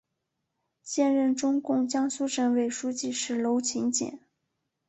现任中共江苏省委书记是娄勤俭。